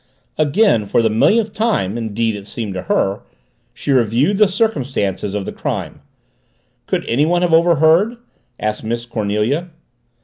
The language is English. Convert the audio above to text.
Again, for the millionth time, indeed it seemed to her, she reviewed the circumstances of the crime. "Could anyone have overheard?" asked Miss Cornelia.